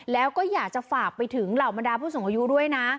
แล้วก็อยากจะฝากไปถึงเหล่าบรรดาผู้สูงอายุด้วยนะ